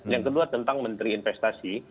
yang kedua tentang menteri investasi